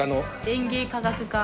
園芸科学科。